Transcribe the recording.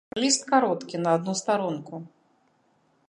Ліст кароткі, на адну старонку.